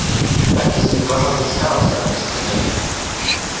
Tak vznikla hornická osada Tři Sekery.